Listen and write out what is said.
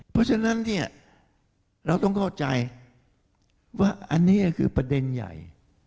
เพราะฉะนั้นเนี่ยเราต้องเข้าใจว่าอันนี้ก็คือประเด็นใหญ่